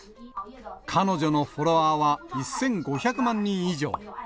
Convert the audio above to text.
彼女のフォロワーは１５００万人以上。